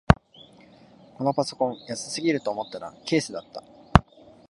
このパソコン安すぎると思ったらケースだった